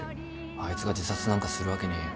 あいつが自殺なんかするわけねえよ。